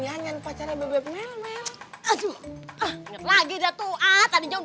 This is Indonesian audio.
mau ngapain sih kesini